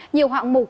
nhiều hoạt mục